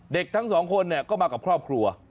เด็กทั้งสองคนเนี่ยก็มากับครอบครัว